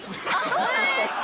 そうなんですか？